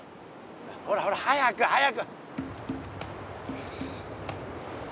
ほらほら早く早く！